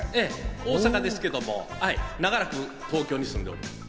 大阪ですけども、長らく東京に住んでおります。